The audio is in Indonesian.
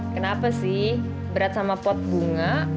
kenapa sih berat sama pot bunga